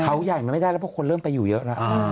เขาใหญ่มันไม่ได้แล้วเพราะคนเริ่มไปอยู่เยอะแล้ว